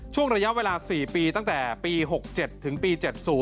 ช่วงระยะเวลา๔ปีตั้งแต่ปี๖๗ถึงปี๗๐